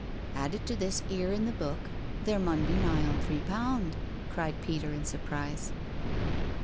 *' Added to this 'ere in the book there mun be nigh on three pound," cried Peter in surprise.